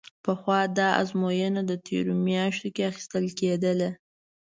پخوا دا ازموینه درېیو میاشتو کې اخیستل کېده.